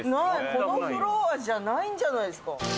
このフロアじゃないんじゃないですか？」